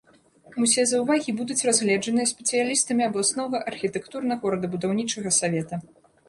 Усе заўвагі будуць разгледжаныя спецыялістамі абласнога архітэктурна-горадабудаўнічага савета.